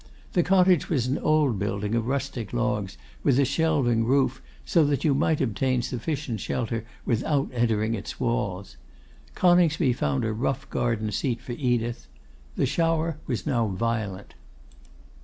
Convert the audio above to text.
The cottage was an old building of rustic logs, with a shelving roof, so that you might obtain sufficient shelter without entering its walls. Coningsby found a rough garden seat for Edith. The shower was now violent.